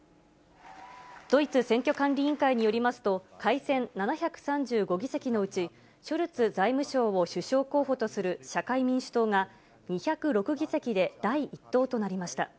ドイツ選挙管理委員会によりますと、改選７３５議席のうち、ショルツ財務相を首相候補とする社会民主党が、２０６議席で第１党となりました。